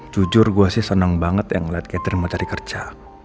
jujur gua sih senang banget yang ngeliat catherine mau cari kerja